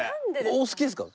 お好きですか？